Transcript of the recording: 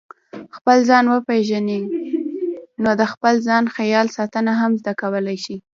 خپل ځان وپېژنئ نو د خپل ځان خیال ساتنه هم زده کولای شئ.